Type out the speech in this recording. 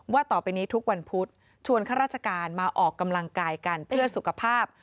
ต่อไปนี้ทุกวันพุธชวนข้าราชการมาออกกำลังกายกันเพื่อสุขภาพ